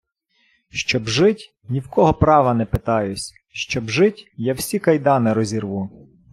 Щоб жить – ні в кого права не питаюсь, Щоб жить – я всі кайдани розірву